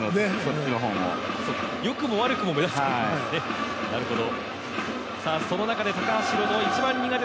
良くも悪くも目立つと、なるほど。